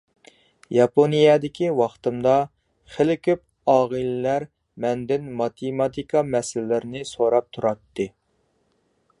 ياپونىيەدىكى ۋاقتىمدا خېلى كۆپ ئاغىنىلەر مەندىن ماتېماتىكا مەسىلىلىرىنى سوراپ تۇراتتى.